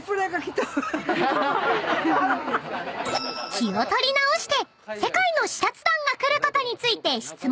［気を取り直して世界の視察団が来ることについて質問］